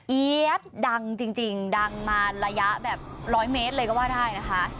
เอี๊ยดดังจริงดังมาระยะแบบร้อยเมตรเลยก็ว่าได้นะคะ